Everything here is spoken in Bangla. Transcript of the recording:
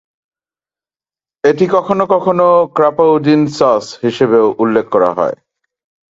এটি কখনও কখনও "ক্রাপাউডিন সস" হিসাবেও উল্লেখ করা হয়।